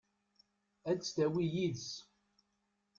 Ad tt-tawi yid-s?